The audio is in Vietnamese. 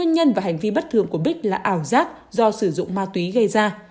hai nhân và hành vi bất thường của bích là ảo giác do sử dụng ma túy gây ra